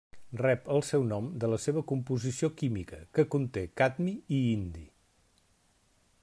Rep el seu nom de la seva composició química, que conté cadmi i indi.